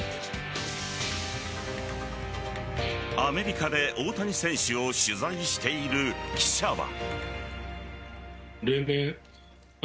アメリカで大谷選手を取材している記者は。